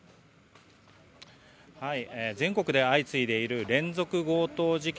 全国で相次いでいる連続強盗事件。